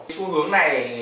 xu hướng này